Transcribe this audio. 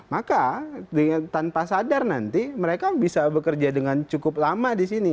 maka tanpa sadar nanti mereka bisa bekerja disini